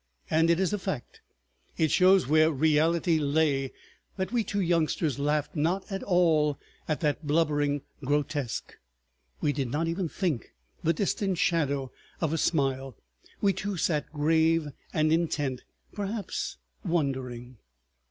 And it is a fact, it shows where reality lay, that we two youngsters laughed not at all at that blubbering grotesque, we did not even think the distant shadow of a smile. We two sat grave and intent—perhaps wondering.